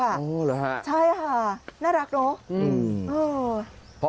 โอ้หรือฮะใช่ฮะน่ารักเนอะ